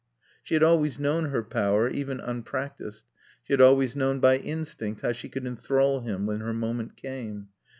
She had always known her power, even unpracticed. She had always known by instinct how she could enthrall him when her moment came.